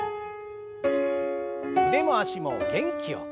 腕も脚も元気よく。